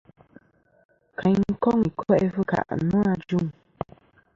Kayn koŋ i ko'i fɨkà nô ajuŋ.